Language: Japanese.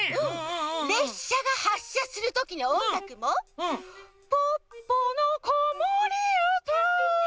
れっしゃがはっしゃするときのおんがくも「ポッポのこもりうた」